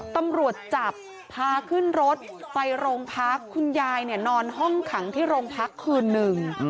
ตำรวจจับพาขึ้นรถไปโรงพักคุณยายเนี่ยนอนห้องขังที่โรงพักคืนหนึ่ง